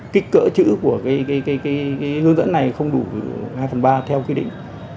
kích cỡ chữ của hướng dẫn này không đủ hai phần ba theo quy định